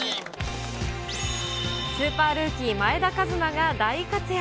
スーパールーキー、前田和摩が大活躍。